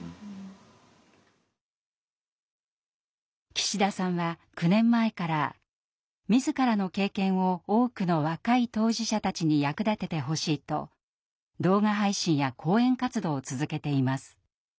岸田さんは９年前から自らの経験を多くの若い当事者たちに役立ててほしいと動画配信や講演活動を続けています。